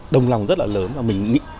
đồng lòng rất là lớn và mình nghĩ